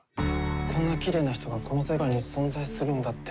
こんなきれいな人がこの世界に存在するんだって。